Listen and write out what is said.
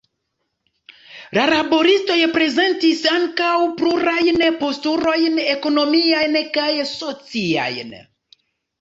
Laboristoj prezentis ankaŭ plurajn postulojn ekonomiajn kaj sociajn.